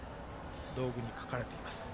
道具に書かれています。